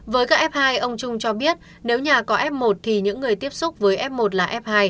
với các f hai ông trung cho biết nếu nhà có f một thì những người tiếp xúc với f một là f hai